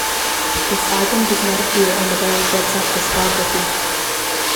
This album does not appear on the band's web site discography.